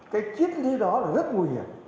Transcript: cái chiếc lý đó là rất nguy hiểm